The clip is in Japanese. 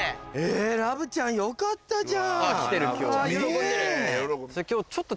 ラブちゃんよかったじゃんねぇ。